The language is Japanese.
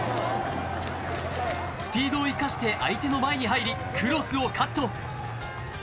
スピードを生かして相手の前に入り、クロスをカット。